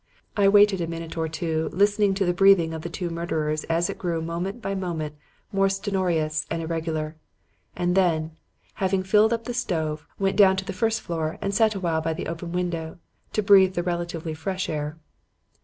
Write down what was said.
I waited a minute or two listening to the breathing of the two murderers as it grew moment by moment more stertorous and irregular, and then, having filled up the stove, went down to the first floor and sat awhile by the open window to breathe the relatively fresh air.